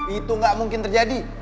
itu gak mungkin terjadi